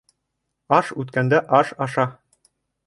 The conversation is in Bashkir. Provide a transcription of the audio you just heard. Аш үткәндә аш аша